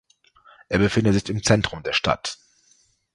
Er befindet sich im Zentrum der Stadt.